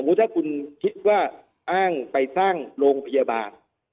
ถ้าคุณคิดว่าอ้างไปสร้างโรงพยาบาล